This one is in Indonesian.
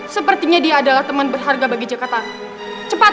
sepertinya dia adalah teman berharga bagi jakarta